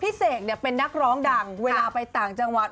เสกเนี่ยเป็นนักร้องดังเวลาไปต่างจังหวัด